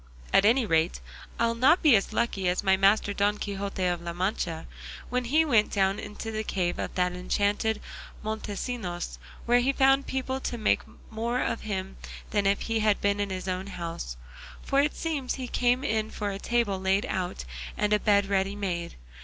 At any rate I'll not be as lucky as my master Don Quixote of La Mancha, when he went down into the cave of that enchanted Montesinos, where he found people to make more of him than if he had been in his own house; for it seems he came in for a table laid out and a bed ready made.